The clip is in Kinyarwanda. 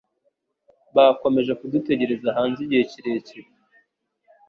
Bakomeje kudutegereza hanze igihe kirekire.